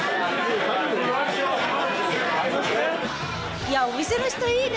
いやお店の人いいね。